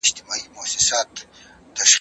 که ته بد کار وکړې، سزا به ووينې.